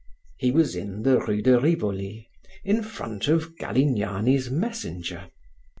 He was in the rue de Rivoli, in front of Galignani's Messenger.